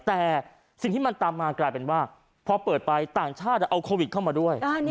แต่สิ่งที่มันตามมากลายเป็นว่าพอเปิดไปต่างชาติเอาโควิดเข้ามาด้วย